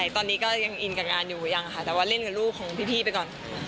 ตอนนี้ก็ยังอินกับงานอยู่ยังค่ะแต่ว่าเล่นกับลูกของพี่ไปก่อน